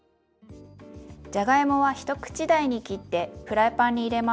じゃがいもは一口大に切ってフライパンに入れます。